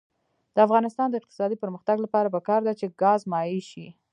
د افغانستان د اقتصادي پرمختګ لپاره پکار ده چې ګاز مایع شي.